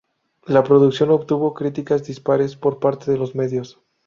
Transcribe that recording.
La producción obtuvo críticas dispares por parte de los medios.